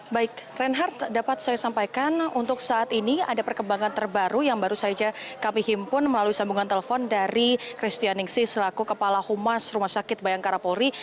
baik reinhardt dapat saya sampaikan untuk saat ini ada perkembangan terbaru yang baru saja kami himpun melalui sambungan telepon dari kristianingsi selaku kepala humas rumah sakit bayangkara polri